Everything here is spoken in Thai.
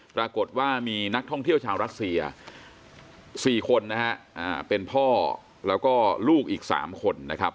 ปรากฏว่ามีนักท่องเที่ยวชาวรัสเซีย๔คนนะฮะเป็นพ่อแล้วก็ลูกอีก๓คนนะครับ